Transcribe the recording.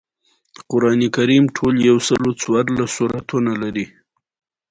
سلام استاده نن موږ کوم نوی درس پیلوو